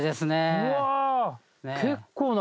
うわ！